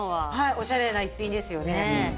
おしゃれな一品ですよね。